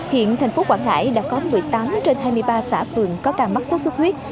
hiện thành phố quảng ngãi đã có một mươi tám trên hai mươi ba xã phường có ca mắc sốt xuất huyết